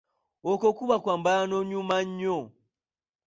Okwo kuba okwambala n'onyuma nnyo.